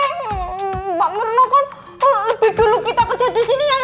mbak mirna kan lebih dulu kita kerja disini